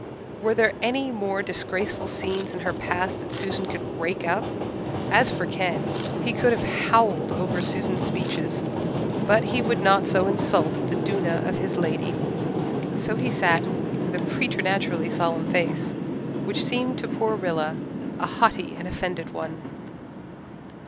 Were there any more disgraceful scenes in her past that Susan could rake up? As for Ken, he could have howled over Susan's speeches, but he would not so insult the duenna of his lady, so he sat with a preternaturally solemn face which seemed to poor Rilla a haughty and offended one.